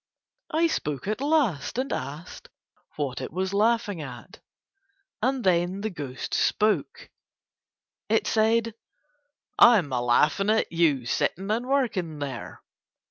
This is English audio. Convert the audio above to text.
I spoke at last and asked what it was laughing at, and then the ghost spoke. It said: "I'm a laughin' at you sittin' and workin' there."